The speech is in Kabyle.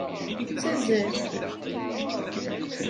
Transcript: Yettazzal.